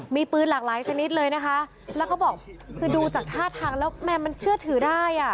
มีปืนหลากหลายชนิดเลยนะคะแล้วเขาบอกคือดูจากท่าทางแล้วแม่มันเชื่อถือได้อ่ะ